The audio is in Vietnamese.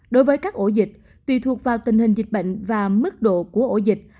đối với các ổ dịch tùy thuộc vào tình hình dịch bệnh và mức độ của ổ dịch